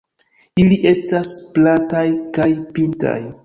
Ili estas plataj kaj pintaj.